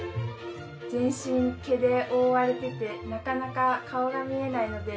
全身毛で覆われていてなかなか顔が見えないので。